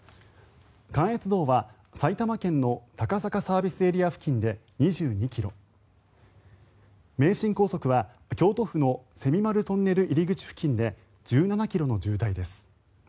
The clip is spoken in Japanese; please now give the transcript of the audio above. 関越道は埼玉県の高坂ＳＡ付近で２２ｋｍ名神高速は京都府の蝉丸トンネル入り口付近で１７ｋｍの渋滞です。